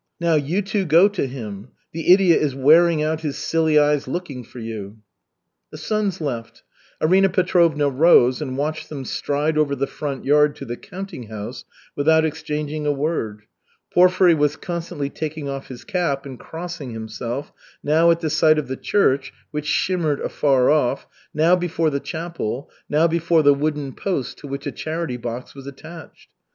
Now you two go to him. The idiot is wearing out his silly eyes looking for you." The sons left. Arina Petrovna rose and watched them stride over the front yard to the counting house without exchanging a word. Porfiry was constantly taking off his cap and crossing himself, now at the sight of the church, which shimmered afar off, now before the chapel, now before the wooden post to which a charity box was attached.